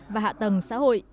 và hạ tầng xã hội